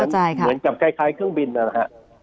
เหมือนกับคล้ายเครื่องบินนะฮะ